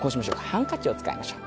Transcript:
ハンカチを使いましょう。